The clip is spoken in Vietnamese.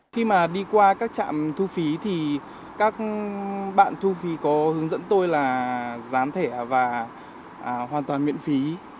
khi mà đi qua các trạm thu phí thì các bạn thu phí có hướng dẫn tôi là dán thẻ và hoàn toàn miễn phí